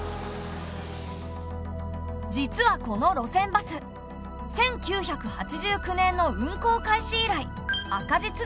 実はこの路線バス１９８９年の運行開始以来赤字続き。